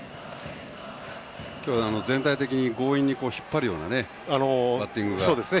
全体的に強引に引っ張るようなバッティングがね。